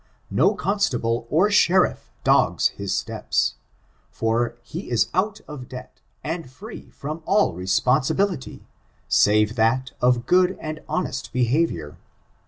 No constable or sheriff dogs his steps, for he is out of debt and free from all responsibility, save that of good and honest behavior.